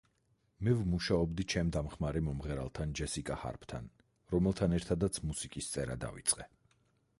მე ვმუშაობდი ჩემ დამხმარე მომღერალთან ჯესიკა ჰარპთან, რომელთან ერთადაც მუსიკის წერა დავიწყე.